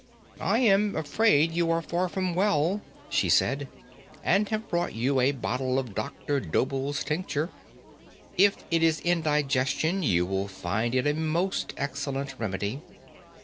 "I am afraid you are far from well," she said, "and have brought you a bottle of Doctor Dobell's tincture. If it is indigestion, you will find it a most excellent remedy."